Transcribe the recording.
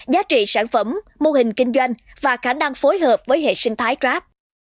giá trị sản phẩm mô hình kinh doanh và khả năng phối hợp với hệ sinh thái grab